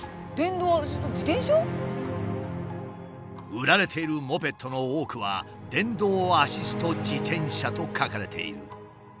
売られているモペットの多くは「電動アシスト自転車」と書かれている。